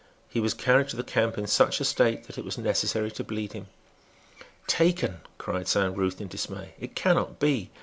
He was carried to the camp in such a state that it was necessary to bleed him. "Taken!" cried Saint Ruth, in dismay. "It cannot be.